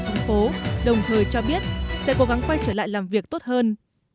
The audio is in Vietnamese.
tp hcm đồng thời cho biết sẽ cố gắng quay trở lại làm việc tốt hơn